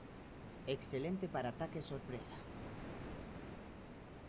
Excelente para ataques sorpresa.